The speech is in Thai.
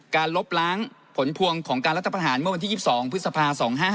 ลบล้างผลพวงของการรัฐประหารเมื่อวันที่๒๒พฤษภา๒๕๕